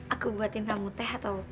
aku buatin kamu teh atau